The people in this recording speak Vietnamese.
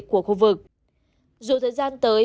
của khu vực dù thời gian tới